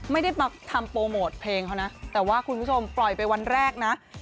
ไม่ได้มาทำโปรโมทเพลงเขานะแต่ว่าคุณผู้ชมปล่อยไปวันแรกนะ